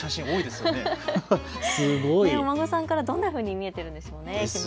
すごい。お孫さんからどんなふうに見えているんでしょうね。